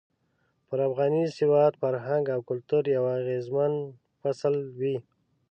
پر افغاني سواد، فرهنګ او کلتور يو اغېزمن فصل وي.